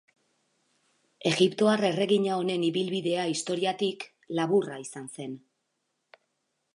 Egiptoar erregina honen ibilbidea historiatik, laburra izan zen.